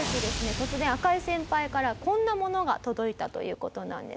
突然赤井先輩からこんなものが届いたという事なんです。